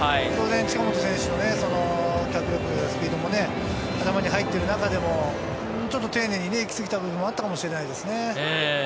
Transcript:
近本選手の脚力、スピードも頭に入ってる中でも、ちょっと丁寧にいきすぎた部分もあったかもしれないですね。